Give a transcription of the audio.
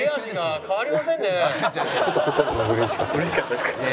嬉しかったですか？